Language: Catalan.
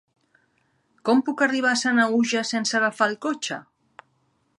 Com puc arribar a Sanaüja sense agafar el cotxe?